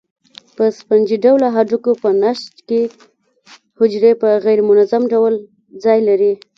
په سفنجي ډوله هډوکو په نسج کې حجرې په غیر منظم ډول ځای لري.